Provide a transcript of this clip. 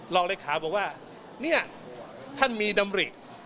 รองเลขาบอกว่าเนี่ยท่านมีดำริ